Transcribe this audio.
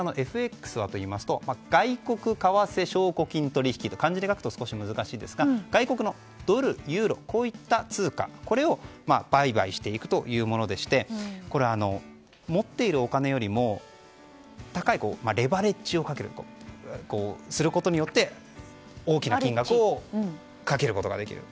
ＦＸはといいますと外国為替証拠金取引という漢字で書くと少し難しいですが外国のドル、ユーロこういった通貨を売買していくというものでしてこれは、持っているお金よりも高いレバレッジをかけることによって大きな金額をかけることができる。